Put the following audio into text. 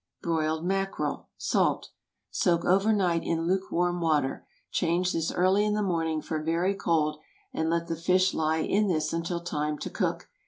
BROILED MACKEREL. (Salt.) Soak over night in lukewarm water. Change this early in the morning for very cold, and let the fish lie in this until time to cook.